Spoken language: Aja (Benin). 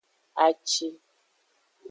Aci.